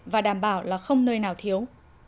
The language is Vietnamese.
và đảm bảo là không nơi nào thiếu